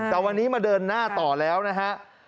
แต่วันนี้มาเดินหน้าต่อแล้วนะฮะ